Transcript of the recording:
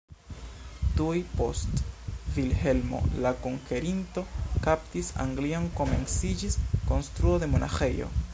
Tuj post Vilhelmo la Konkerinto kaptis Anglion komenciĝis konstruo de monaĥejo.